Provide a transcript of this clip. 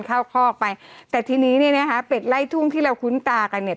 คอกไปแต่ทีนี้เนี่ยนะคะเป็ดไล่ทุ่งที่เราคุ้นตากันเนี่ย